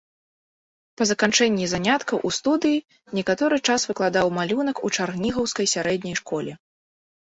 Па заканчэнні заняткаў у студыі некаторы час выкладаў малюнак у чарнігаўскай сярэдняй школе.